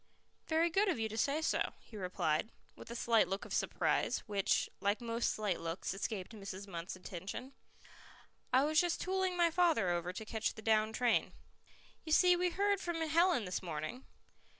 "Very good of you to say so," he replied, with a slight look of surprise, which, like most slight looks, escaped Mrs. Munt's attention. "I was just tooling my father over to catch the down train." "You see, we heard from Helen this morning."